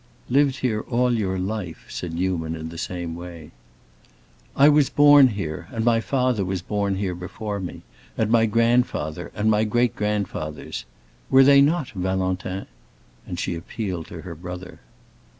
"Lived here all your life," said Newman, in the same way. "I was born here, and my father was born here before me, and my grandfather, and my great grandfathers. Were they not, Valentin?" and she appealed to her brother.